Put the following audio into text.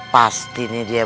pasti nih dia